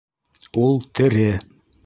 Ул тере!